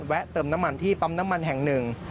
เติมน้ำมันที่ปั๊มน้ำมันแห่งหนึ่ง